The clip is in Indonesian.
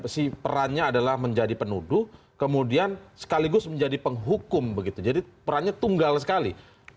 si perannya adalah menjadi penuduh kemudian sekaligus menjadi penghukum begitu jadi perannya tunggal sekali